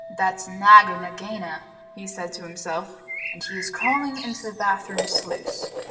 "That's Nag or Nagaina," he said to himself, "and he is crawling into the bath room sluice.